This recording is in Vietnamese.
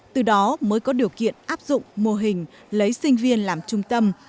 từ đó mới có điều kiện áp dụng mô hình lấy sinh viên làm trung tâm